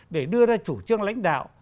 để đưa ra chủ trương lãnh đạo